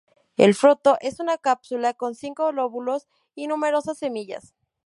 El fruto es una cápsula con cinco lóbulos y numerosas semillas.